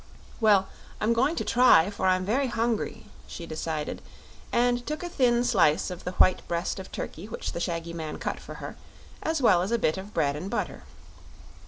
"Well, I'm going to try, for I'm very hungry," she decided, and took a thin slice of the white breast of turkey which the shaggy man cut for her, as well as a bit of bread and butter.